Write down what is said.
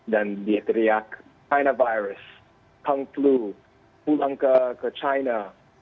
dan dia teriak china virus kung flu pulang ke china